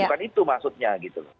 bukan itu maksudnya gitu